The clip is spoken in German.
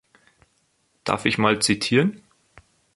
Darf ich mal zitieren?